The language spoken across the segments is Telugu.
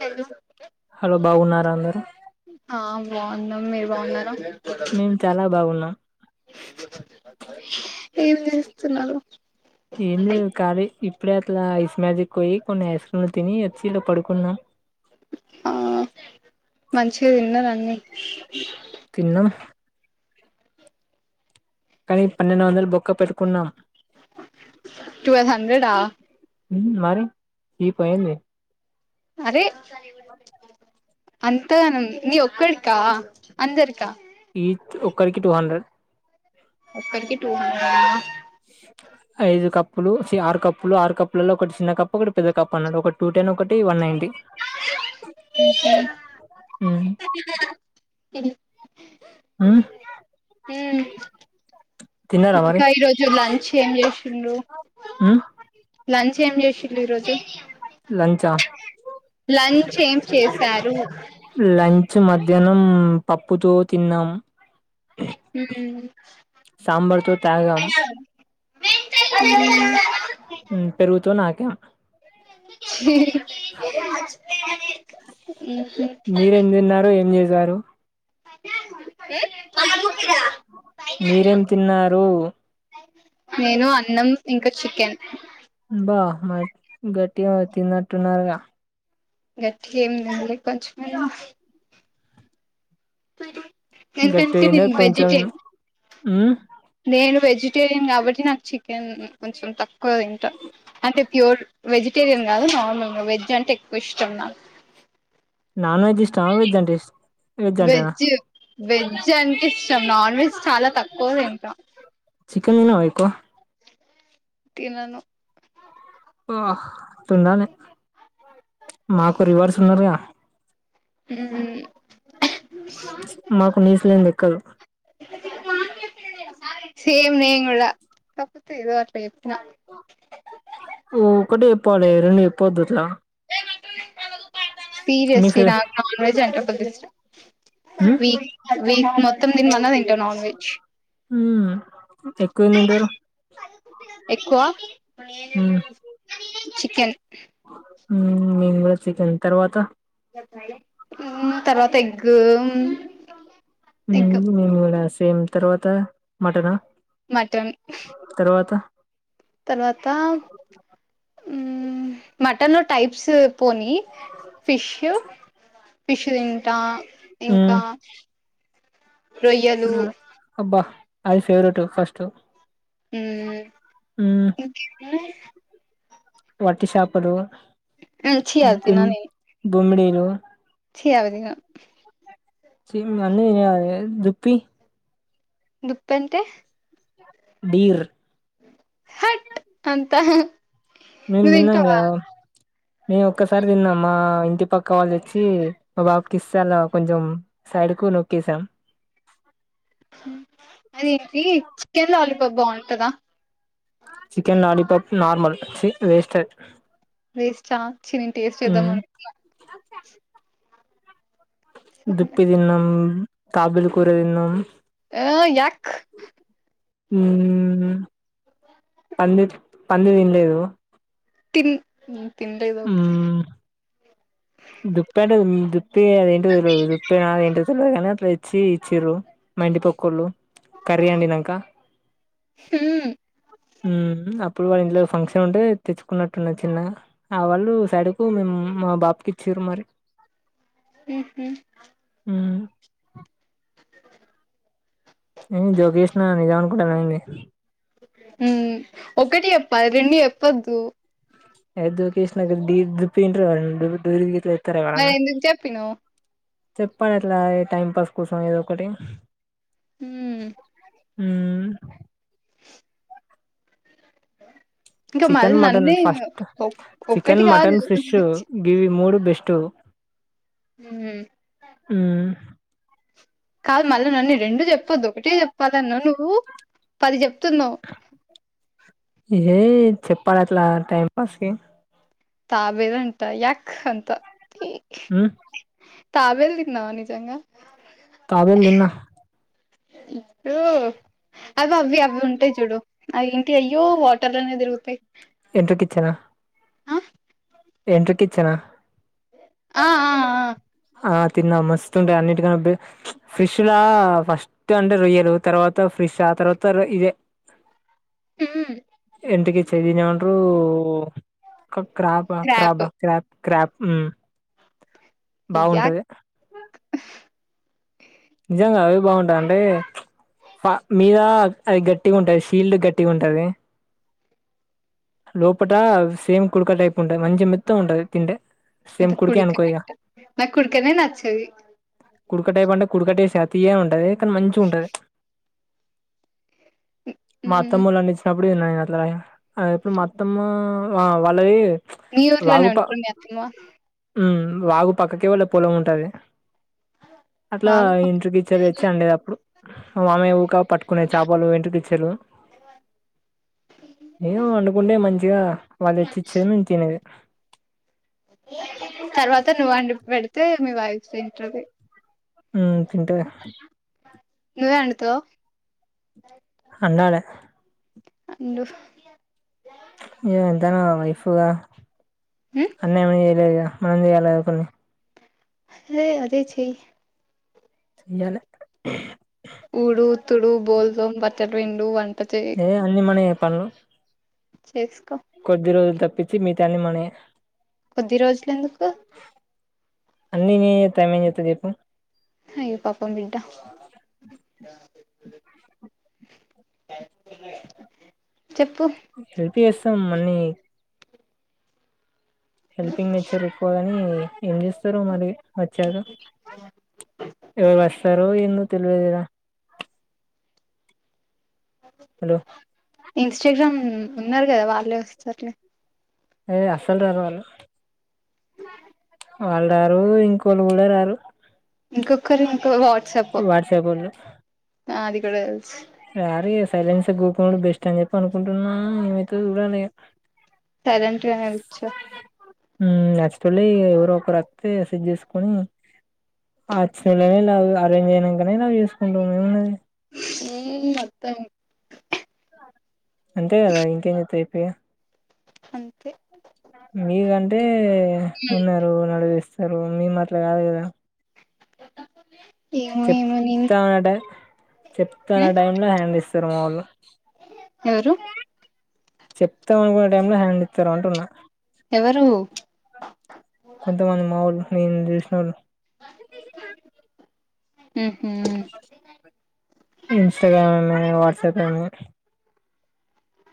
హలో హలో బాగున్నారా అందరూ ఆ బాగున్నమ్ మీరు బాగున్నార మేం చాలా బాగున్నమ్ ఏం చేస్తున్నారు ఏం లేదు కాలి ఇప్పుడే అట్లా ఐస్ మ్యాజిక్ పోయి కొన్ని ఐస్ క్రీమ్లు తిని వచ్చి ఇట్లా పడుకున్నా ఆ మంచిగా తిన్నర అన్నీ తిన్నాం కానీ పన్నెండు వందలు బొక్క పెట్టుకున్నా ట్వెల్వ్ హండ్రెడ్ ఆ ఉం మరి చీపా ఏంది అరే అంతగనం నీ ఒక్కడికా అందరికా ఈ ఒక్కరికి టూ హండ్రెడ్ ఒక్కడికి టూ హండ్రెడ్ ఐదు కప్పులు చి ఆరు కప్పులు ఆరు కప్పులలో ఒకటి చిన్న కప్పు ఒకటి పెద్ద కప్పు అన్నాడు ఒక టూ ఒకటి వన్ నైన్ టీ ఆ ఉమ్ ఇంకా ఈ రోజు లంచ్ ఏం చేసిండ్రు ఉమ్, లంచ్ చ్ ఏం చేసిరు ఇ రోజు లంచా లంచ్ ఏం చేశారు లంచ్ మధ్యాహ్నం పప్పుతో తిన్నాం ఉమ్ సాంబార్ తో తాగం ఉం పెరుగుతో నాకా అ మీరేం తిన్నారు ఏం చేసారు మీరేం తిన్నారు నేను అన్నం ఇంకా చికెన్ అబ్బా మా గట్టి తినట్టు ఉన్నారుగా గట్టిగా ఏం తినలే కొంచమే ఎందుకంటె గట్టిగానే నేను కొంచెం వెజిటే ఉమ్ నేను వెజి వేజిటేరియన్ కాబట్టి నాకు చికెన్ కొంచెం తక్కువ తింట అంటే ప్యూర్ వెజిటేరియన్ కాదు నార్మల్ గా వెజ్ అంటే ఎక్కువ ఇష్టం నాకు నాన్ వెజ్ ఇష్టం వెజ్ అంటే ఇష్ట వెజ్ అంటేనా వెజ్ అంటే ఇష్టం నాన్ వెజ్ చాలా తక్కువ తింటా చికెన్ తినవా ఎక్కువ తినను [unintelligible] తండి మాకు రివర్స్ ఉన్నారుగా ఉం మాకు నీసు లేనిది ఎక్కదు సేమ్ నేను కూడా కాకపోతే ఏదో అట్లా చెప్తా ఓ ఒక్కటే చెప్పలి రెండు చెప్పొద్దు అట్లా మీ సీరియస్లీ ఫే నాకు నాన్ వెజ్ [unintelligible] ఉమ్ వీక్ వీక్ మొత్తం దీని అన్నది ఏంటో నాన్ వెజ్ ఉ ఎక్కువేం తింటారు ఎక్కువ చికెన్ మేం కూడ చికెన్ తర్వాత తర్వాత ఎగ్గు నేను కూడ సేమ్ తర్వాత మటన మటన్ తర్వాత మటను టైప్స్ పోని ఫిష్ ఫిష్ తింట ఇంకా రొయ్యలు అబ్బ అది ఫేవరెట్ ఫస్ట్ హ్మ్ [unintelligible] వట్టి షాపలు చి అవి తినను నేను గుమడీలు చీ ఆవిదిన [unintelligible] దుప్పి దుప్పంటే డీర్ హట్ అంత మేము తిన్నాంగా మేము ఒక్కసారి తిన్నామ ఇంటి పక్క వాల్లోచ్చి మా బాబుకి ఇస్త అల కొంచెం సైడ్ కు నొక్కేసాం అదిఏంది చికెన్ లాలీపాప్ బాగుంటద chicken lollipop normal waste waste చి టేస్ట్ చేధం [unintelligible] దుప్పి తిన్నాం తాబెల్ కూర తిన్నాం ఒ యాక్ పంది పంది తిన్లేదు తిన్ [unintelligible] దుప్ప అంటే దుప్పి అదేంటి తెలిదు దుప్పే నాద ఏంట తెలిదు కానీ అ వచ్చి ఇచ్చీరు మా ఇంటి పొక్కొల్లు వాళ్ళు కర్రీ అండినాక హ్మ్ అప్పుడు వాళ్ళ ఇంట్లో ఫంక్షన్ ఉంటే తెచ్చుకున్నట్టున్న చిన్న ఆ వాళ్ళు సైడ్కు [unintelligible] మా బాబుకి ఇచ్చిరు మరి ఉ హూ ఉ [unintelligible] నిజం అనుకుంట ఎంది ఉ ఒకటి ఎప్ప రెండు చె ప్పద్దు [unintelligible] మరి ఎందుకు చెప్పినవ్ చెప్పండి అట్లా టైం పాస్ కోసం ఏదో ఒకటి హు హూ ఆ చికెన్ మటన్ ఫస్ట్ ఒక్కటి చికెన్ కాదు మటన్ ఫిష్ గివి మూడు బెస్టు మ్ మ్ కాదు మళ్ళీ నన్ను రెండు చెప్పొద్దు ఒకటే చెప్పాలన్నావ్ నువ్వు పది చెప్తున్నావు ఏ చెప్పాలట్లా టైం పాస్ కి తాబేలంట యాక్ అంత మ్ తాబెల్ తిన్నావా నిజంగా తాబేలు తిన్నా ఎప్పుడు అవి అవ్వి అవి ఉంటాయి్ చూడు అవి ఏంటి అయ్యో వాటర్లనే తిరుగుతాయి ఎండ్రికిచ్చనా ఆ ఎండ్రికిచ్చన ఆ ఆ ఆ ఆ తిన్నా మస్తుంటాయి అన్నింటికన్నా ఫ్రిష్ లా ఫస్ట్ అంటే రొయ్యలు తర్వా త ఫ్ర్రిష్ ఆ తర్వాత ఇదే మ్ చ్ దిన్నేమంట్రూ క్ crab crab crab crab crab మ్ యాక్ బాగుంటది నిజంగా అవ్ బాగుంటాయి అంటే ఫ మీద అది గట్టిగా ఉంటది షీల్డ్ గట్టిగా ఉంటది లోపట సేమ్ కుడుక టైప్ ఉంటది మంచిగ మెత్తగ ఉంటది తింటే అంత సేమ్ కుడికే అనుకో ఇగ కుడుకన్నట్టు నాకు కుడుకనే నచ్చది కుడుకటైప్ అంటే కుడుకటెస్ కాదు తియ్యగానే ఉంటది కానీ మంచిగుంటది హ్మ్ మత్తమ్ములున్నిచ్చినప్పుడు తిన్న నీను అట్లనయి అప్పుడు మత్తమ్మ ఆ వాళ్ళది మీ ఊర్లోనే ఉంటుండే అత్తమ్మ మ్ వాగు పక్కకే వాళ్ళ పొలం ఉంటది అట్లా వాగు పక్కన ఎండ్రికిచ్చా తెచ్చి అండేది అప్పుడు మా మామయ్య ఉకప్ పట్టుకునే చేపలు ఎండ్రికిచ్చలు ఎం వండుకుంటే మంచిగా వాళ్ళు తెచ్చి ఇచ్చేది మీము తినేది తర్వాత నువ్వు అండి పెడితే మీ వైఫ్ తింటది ఉమ్ తింటే నువ్వే వండుతావా అండలే అండు ఇగ ఎంతైనా వైఫ్గా హ్మ్ అన్ని ఆమెనే చేయలేదుగా మనం చేయాలి కద కొన్ని యి అదే చెయ్ చెయ్యాలె ఊడు తుడు బోళ్ళు తొమ్ బట్టలు పిండు వం ఏ అన్నిీ మనయే పనులు చెక్స్కో కొద్ది రోజులు తప్పించి మీగతయ్యన్ని మనయే కొద్ది రోజులు ఎందుకు అన్ని నినే చేత్తె ఆమె ఎం చేత్తది చెప్పు అయ్యే పాపం బిడ్డ చెప్పు హెల్ప్ చేస్తాం మన్నీ హెల్పింగ్ నేచర్ ఎక్కువగాని ఏం చేస్తారు మరి వచ్చాక ఇవ వస్తారో ఏందో తెలివది హలో ఇంస్టాగ్రామ్ ఉన్నారు కదా వాళ్ళే వస్తర్ లే ఏ అసలు రారు వాళ్ళు వాళ్ళు రారు ఇంకొల్లు కూడా రారు ఇంకొకరు ఇంకా వ వాట్సాప్ వొళ్ళు అది కూడా తెసి రారు ఇగ సైలెన్స్ గుకునుడు బెస్ట్ అని చెప్పి అనుకుంటున్నా ఏమైతదొ చూడాలి ఇగ సైలెంట్ గానే కూర్చో మళ్ళీ ఎవరో ఒకరు వస్త సెట్ చేసుకొని అస్సలే లవ్ అరేంజ్ అయినంకనే లవ్ చేసుకుంటాం ఏమున్నది ఎయ్ మొత్తం అంతే కదా ఇంకేం చెతా చెప్పు ఇగ అంతే మీ రంటే ఉన్నారు నడువిస్తారు మీ మాట్లా కాదు కదా ఏమో ఏమో నేను చెప్తా అనే టైం చెప్తాన్న టైము లో హ్యాండ్ ఇస్తారు మా వాళ్ళు ఎవరు చెప్తాం అనుకునే టైం లో హ్యాండ్ ఇస్తారు అంటున్నా ఎవరు కొంతమంది మా వాళ్ళు నేను చూసినోళ్ళు అ ఇన్స్టాగ్రామ్ని వాట్సాప్ అని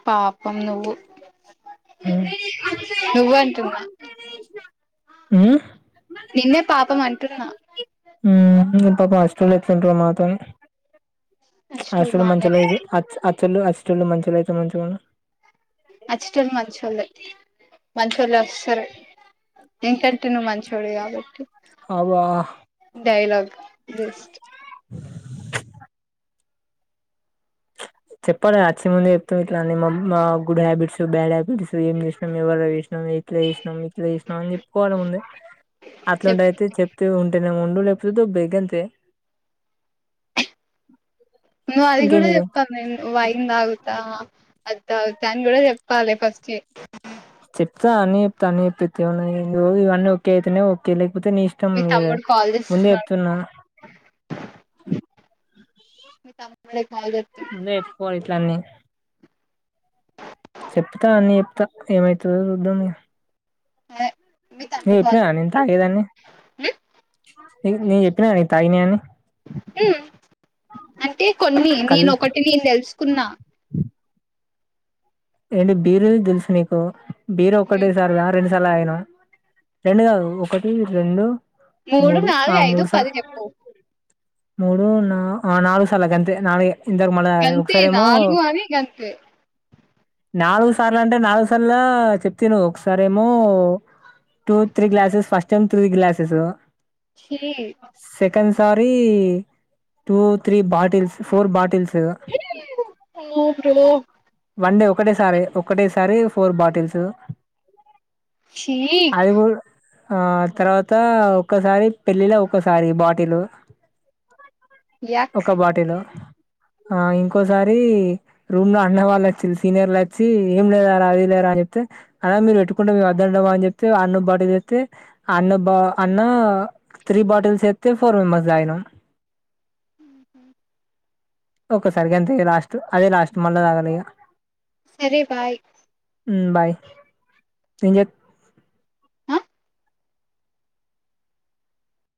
పాపం నువ్వు నువ్వు అంటున్న నిన్నే పాపం అంటున్న ఉమ్ పాపం హాస్టల్లో ఎట్లుంటన్నో మాతోని అచ్చటోళ్ళు హాస్టల్ బానే మంచిగా లేదు అచ్చటోళ్ళు మంచోలయితే మంచిగుండు అచ్చటోళ్ళు మంచోళ్లే మంచి వాళ్ళు వస్తారు ఏంకంటే నువ్వు మంచోడు కాబట్టి అబ్బా డైలాగ్ బెస్ట్ చెప్పాల వచ్చే ముందే చెప్తాం ఇట్లా అన్నీ మా గుడ్ హ్యాబట్స్ బ్యాడ్ హ్యాబట్స్ ఏం చేసినాం ఎవరి చేసినాం ఇట్లా చేసినాం ఇట్లా చేసినాం అని చెప్పుకోవాలిముందే అట్లాంటది చెప్ అయితే చెప్తే ఉంటేనే ఉండు లేకపోతే దొబ్బెయ్ అంతే నువు అది ఇంకేం కూడా చేద్దాం ఐ మీన్ వైన్ తాగుతా అది తాగుతా అని కూడా చెప్పాలి ఫస్ట్ చెప్తా అన్ని చెప్తా అని చెప్పతేన్నా ఇవన్నీ ఒకే అయితేనే ఒకే పోతే నీ ఇష్టం మీ మీద తమ్ముడు కాల్ ముందే చేస్తున్నాడు చెప్తున్నా మీ తమ్ముడే కాల్ చేస్తుండు అనీ చెప్తా అన్నీ చెప్తా ఏమైతుందో చూద్దాం మీగ హ్ నేను చెప్పినా నేను తాగేదాన్ని నీకు నేను చెప్పినా నీను తాగిన అని ఉమ్ అంటే కొన్ని కల్ నేను ఒకటి నేను తెలుసుకున్నా ఏంటి బీరు దెల్సు నీకు బీరు ఒక్కటే సారి రెండు సార్ సార్లు తాగినవా రెండు కాదు ఒకటి, రెండు మూడు ఆ నాలుగు ఐదు మూడుసా పది చెప్పు మూడు నా నాలుగు ఆ సార్లు తాగా నాలుగే ఇంతక్ మళ్ళా గంతే ఒకసారేమో నాలుగు అని గంతే నాలుగు సార్లు అంటే నాలుగు సార్లు చెప్తిను ఒకసారేమో two three glasses first time three glasses ఛీ సెకండ్ సారి two three bottles four bottles ఓ ప్రభూ వన్ డే ఒకటే సారి ఒకటేసారి ఫోర్ బాటిల్స్ ఛీ అది కూడా ఆ తర్వాత ఒక్కసారి పెళ్ళిలో ఒక్కసారి బాటిలు యాక్ ఒక బాటిలో ఆ ఇంకోసారి రూమ్ లో అన్న వాళ్ళ సీనియర్లు వచ్చి ఏం లేదారా అ అది లేరా అని చెప్తే అన్నా మీరు పెట్టుకుంటే మేమద్దంటామా అని చెప్తే ఆ అన్న బాట్ ఐతే అన్న బా అన్న త్రీ బాటిల్స్ ఎత్తే ఫోర్ మెంబర్స్ తాగినం ఒక్కసారికి అంతే లాస్ట్ అదే లాస్ట్ మళ్ళా తాగలే ఇగ సరే బాయ్ ఉమ్ బాయ్ ఏం చెప్ ఆ